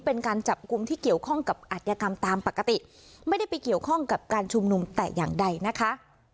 เป็นการจับกลุ่มที่เกี่ยวข้องกับอัธยกรรมตามปกติไม่ได้ไปเกี่ยวข้องกับการชุมนุมแต่อย่างใดนะคะ